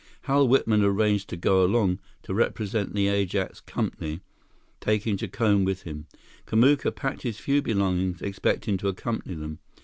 Hal Whitman arranged to go along to represent the Ajax Company, taking Jacome with him. Kamuka packed his few belongings, expecting to accompany them.